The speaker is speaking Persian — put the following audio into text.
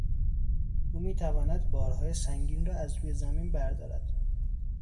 او میتواند بارهای سنگین را از زمین بردارد.